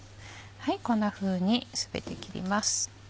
こんなふうに全て切ります。